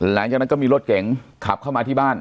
หลังจากนั้นก็มีรถเก๋งขับเข้ามาที่บ้าน